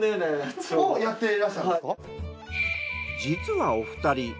実はお二人